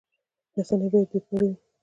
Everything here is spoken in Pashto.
رسنۍ باید بې پرې وي